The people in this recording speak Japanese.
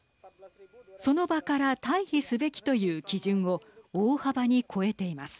その場から退避すべきという基準を大幅に超えています。